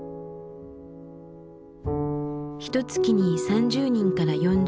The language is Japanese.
ひと月に３０人から４０人。